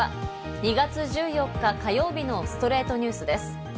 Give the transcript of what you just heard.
２月１４日、火曜日の『ストレイトニュース』です。